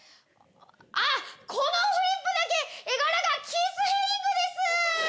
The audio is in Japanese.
あっこのフリップだけ絵柄がキース・ヘリングです。